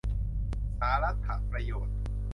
สารัตถประโยชน์